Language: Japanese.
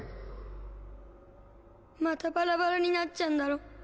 またバラバラになっちゃうんだろ？